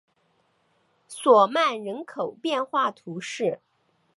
索曼人口变化图示